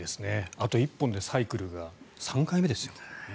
あと１本でサイクルが３回目ですよ。